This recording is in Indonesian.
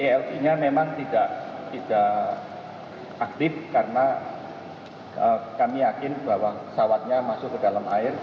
kli nya memang tidak aktif karena kami yakin bahwa pesawatnya masuk ke dalam air